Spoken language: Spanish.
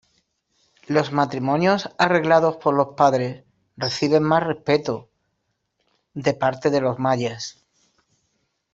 Los matrimonios arreglados por los padres reciben más respeto de parte de los mayas.